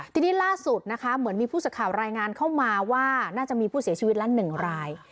ทีนี้ล่าสุดนะคะเหมือนมีผู้สื่อข่าวรายงานเข้ามาว่าน่าจะมีผู้เสียชีวิตละ๑ราย